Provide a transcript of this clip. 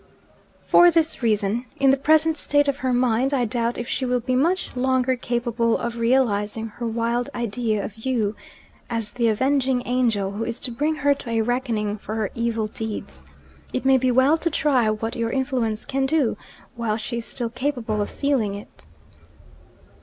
'For this reason. In the present state of her mind, I doubt if she will be much longer capable of realizing her wild idea of you as the avenging angel who is to bring her to a reckoning for her evil deeds. It may be well to try what your influence can do while she is still capable of feeling it.'